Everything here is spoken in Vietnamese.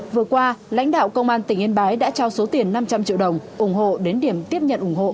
vừa qua lãnh đạo công an tỉnh yên bái đã trao số tiền năm trăm linh triệu đồng ủng hộ đến điểm tiếp nhận ủng hộ